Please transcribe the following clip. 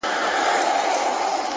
عاجزي د سترتوب نرم لباس دی!.